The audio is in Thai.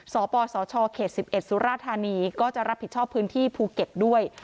สปสชเขต๑๑สุราธานีก็จะรับผิดชอบพื้นที่ภูเก็ตด้วย